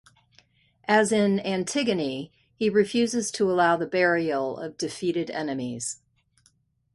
As in "Antigone", he refuses to allow the burial of defeated enemies.